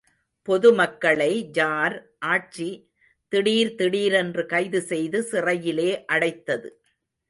பொது மக்களை ஜார் ஆட்சி திடீர் திடீரென்று கைது செய்து சிறையிலே அடைத்தது.